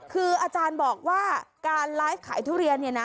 คืออาจารย์บอกว่าการไลฟ์ขายทุเรียนเนี่ยนะ